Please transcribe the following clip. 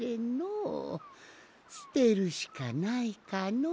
すてるしかないかのう。